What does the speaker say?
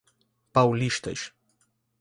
Paulistas